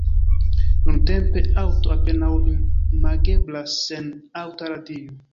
Nuntempe aŭto apenaŭ imageblas sen aŭta radio.